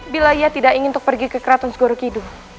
bila ia tidak ingin pergi ke kraton segorokidu